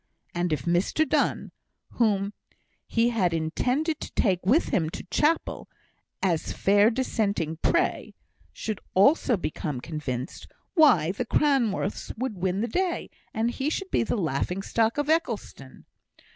And if Mr Donne (whom he had intended to take with him to chapel, as fair Dissenting prey) should also become convinced, why, the Cranworths would win the day, and he should be the laughing stock of Eccleston.